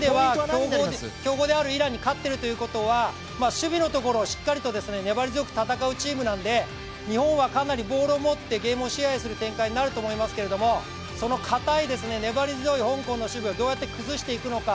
強豪であるイランに勝っているということは守備のところをしっかりと粘り強く戦うチームなので日本は、かなりボールを持ってゲームを支配する展開になると思いますがその堅い、粘り強い香港の守備をどうやって崩していくのか。